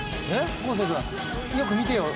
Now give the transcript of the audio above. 昴生君よく見てよ。